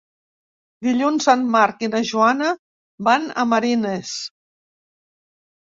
Dilluns en Marc i na Joana van a Marines.